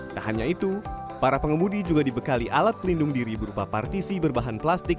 tak hanya itu para pengemudi juga dibekali alat pelindung diri berupa partisi berbahan plastik